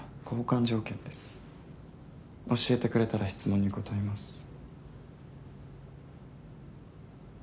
交換条件です教えてくれたら質問に答えます